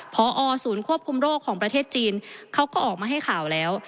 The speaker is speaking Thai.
พอศูนย์ควบคุมโรคของประเทศจีนเขาก็ออกมาให้ข่าวแล้ว